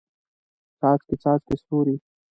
څاڅکي، څاڅکي ستوري